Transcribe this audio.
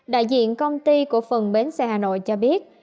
đại diện công ty của phần bến xe hà nội cho biết